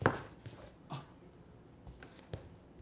あっ。